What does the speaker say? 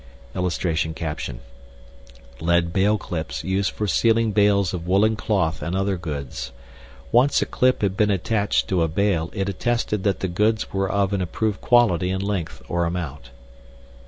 [Illustration: LEAD BALE CLIPS USED FOR SEALING BALES OF WOOLEN CLOTH AND OTHER GOODS. ONCE A CLIP HAD BEEN ATTACHED TO A BALE IT ATTESTED THAT THE GOODS WERE OF AN APPROVED QUALITY AND LENGTH OR AMOUNT.